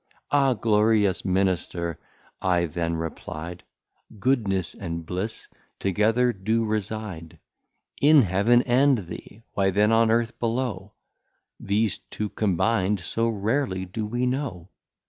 Ah, Glorious Minister, I then reply'd, Goodness and Bliss together do reside In Heaven and thee, why then on Earth below These two combin'd so rarely do we know?